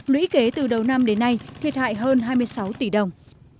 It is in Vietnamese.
lũy kế từ đầu năm đến nay thiệt hại hơn hai mươi sáu tỷ đồng